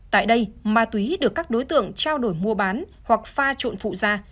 tại đây ma túy được các đối tượng trao đổi mua bán hoặc pha trộn phụ ra